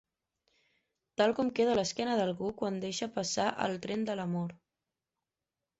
Tal com queda l'esquena d'algú quan deixa passa el tren de l'amor.